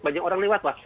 banyak orang lewat